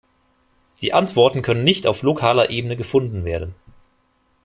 Die Antworten können nicht auf lokaler Ebene gefunden werden.